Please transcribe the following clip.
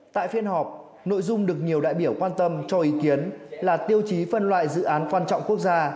tại phiên họp nội dung được nhiều đại biểu quan tâm cho ý kiến là tiêu chí phân loại dự án quan trọng quốc gia